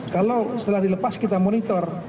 kalau setelah dilepas kita monitor